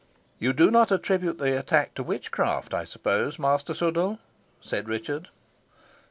"You do not attribute the attack to witchcraft, I suppose, Master Sudall?" said Richard.